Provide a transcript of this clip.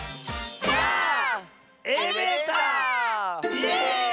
イエーイ！